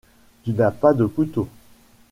Tu n'as pas de couteau ?